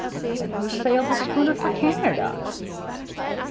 " Then who sailed the schooner for Can ada